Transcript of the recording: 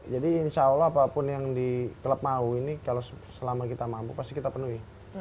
jadi insya allah apapun yang di klub mau ini kalau selama kita mampu pasti kita penuhi